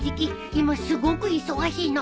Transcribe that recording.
今すごく忙しいの。